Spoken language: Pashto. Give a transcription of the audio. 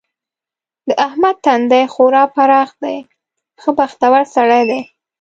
د احمد تندی خورا پراخ دی؛ ښه بختور سړی دی.